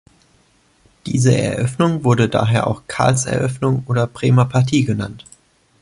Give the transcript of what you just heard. Diese Eröffnung wurde daher auch "Carls-Eröffnung" oder auch "Bremer Partie" genannt.